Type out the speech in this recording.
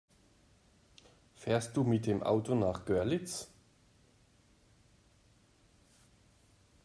Fährst du mit dem Auto nach Görlitz?